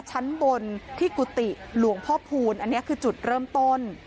ชั้นบนที่กุฏิหลวงพ่อพูนอันนี้คือจุดเริ่มต้น